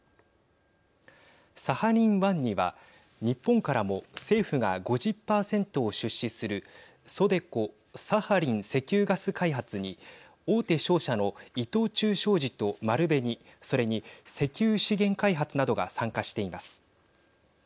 サハリン１には日本からも政府が５０％を出資するＳＯＤＥＣＯ・サハリン石油ガス開発に大手商社の伊藤忠商事と丸紅、それに石油資源開発などが参加しています。